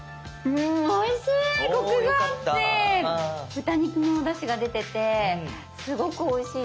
豚肉のおだしが出ててすごくおいしいですね。